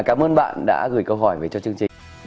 cảm ơn bạn đã gửi câu hỏi về cho chương trình